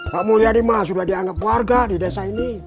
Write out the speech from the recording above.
pak mulyadi mah sudah dianggap warga di desa ini